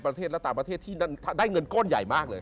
ประเทศและต่างประเทศที่ได้เงินก้อนใหญ่มากเลย